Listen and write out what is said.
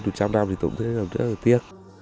thì tôi cũng thấy rất là tiếc